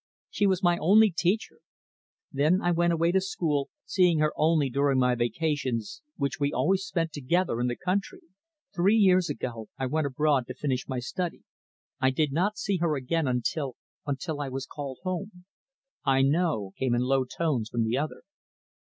She was my only teacher. Then I went away to school, seeing her only during my vacations, which we always spent, together in the country. Three years ago, I went abroad to finish my study. I did not see her again until until I was called home." "I know," came in low tones from the other.